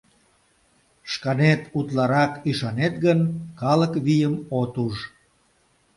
Шканет утларак ӱшанет гын, калык вийым от уж...